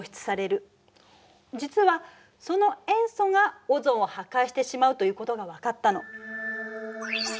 実はその塩素がオゾンを破壊してしまうということが分かったの。